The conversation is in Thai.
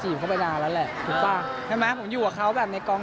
เข้าไปนานแล้วแหละถูกป่ะใช่ไหมผมอยู่กับเขาแบบในกอง